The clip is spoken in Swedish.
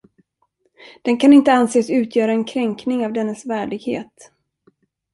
Den kan inte anses utgöra en kränkning av dennes värdighet.